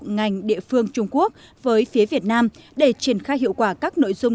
ngành địa phương trung quốc với phía việt nam để triển khai hiệu quả các nội dung